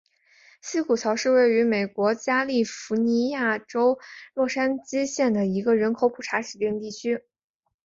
西谷桥是位于美国加利福尼亚州洛杉矶县的一个人口普查指定地区。